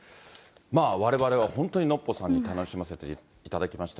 われわれは本当にノッポさんに楽しませていただきました